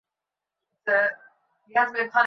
কারণ আমি চাই না তোমার যৌবনটা নষ্ট হোক।